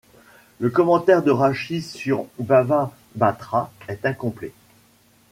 Le commentaire de Rachi sur Bava Batra est incomplet.